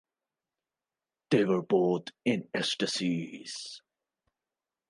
They were both in ecstasies.